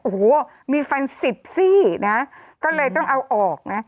โอ้โหมีฟันสิบซี่นะก็เลยต้องเอาออกนะ